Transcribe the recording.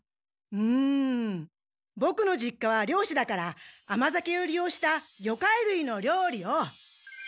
うんボクの実家は漁師だから甘酒をりようした魚介類の料理を。